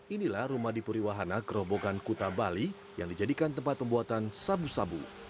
inilah rumah di puri wahana gerobogan kuta bali yang dijadikan tempat pembuatan sabu sabu